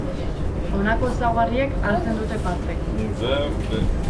Honako ezaugarriek hartzen dute parte.